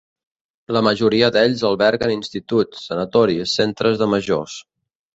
La majoria d'ells alberguen instituts, sanatoris, centres de majors.